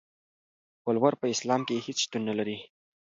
ولور په اسلام کې هيڅ شتون نلري.